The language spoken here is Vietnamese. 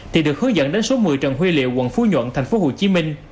thì được hướng dẫn đến số một mươi trần huy liệu quận phú nhuận tp hcm